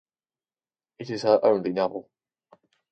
It is her only novel.